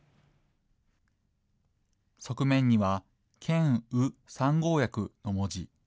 側面には、研ウ三号薬の文字。